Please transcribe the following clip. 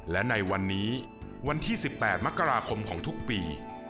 และในวันนี้วันที่๑๘มกราคมของทุกปี